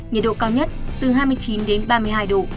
nhiệt độ cao nhất từ hai mươi chín đến ba mươi hai độ